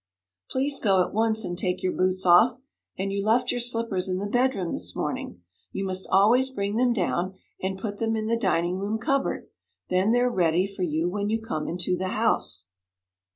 'Please go at once and take your boots off. And you left your slippers in the bedroom this morning. You must always bring them down, and put them in the dining room cupboard; then they're ready for you when you come into the house.'